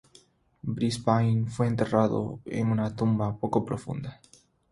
Brisbane fue enterrado en una tumba poco profunda.